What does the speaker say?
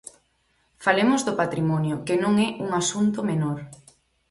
Falemos do patrimonio, que non é un asunto menor.